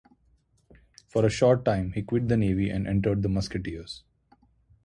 For a short time he quit the navy and entered the musketeers.